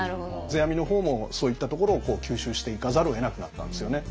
世阿弥の方もそういったところを吸収していかざるをえなくなったんですよね。